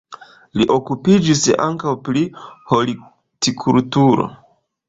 Li okupiĝis ankaŭ pri hortikulturo.